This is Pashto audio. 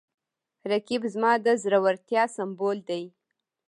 رقیب زما د زړورتیا سمبول دی